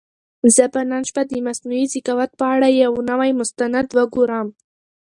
زه به نن شپه د مصنوعي ذکاوت په اړه یو نوی مستند وګورم.